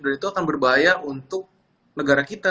dan itu akan berbahaya untuk negara kita